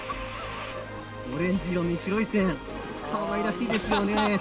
オレンジ色に白い線かわいらしいですよね。